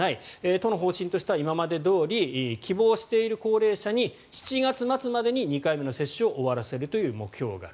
都の方針としては今までどおり希望している高齢者に７月末までに２回目の接種を終わらせるという目標がある。